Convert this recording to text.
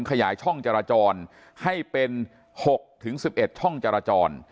ขยายช่องจราจรให้เป็น๖๑๑ช่องจราจร